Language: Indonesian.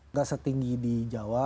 tidak setinggi di jawa